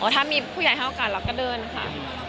ถ้ามีผู้ใหญ่ให้โอกาสเราก็เดินค่ะ